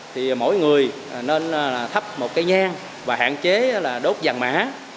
thì mỗi người nên thắp một cây nhang và hạn chế là đốt vàng mã